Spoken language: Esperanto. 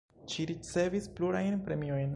Ŝi ricevis plurajn premiojn.